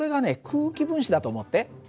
空気分子だと思って。